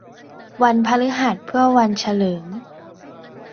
วันพฤหัสเพื่อวันเฉลิม